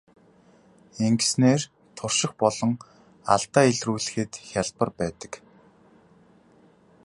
Ингэснээр турших болон алдаа илрүүлэхэд хялбар байдаг.